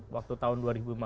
waktu tahun dua ribu lima belas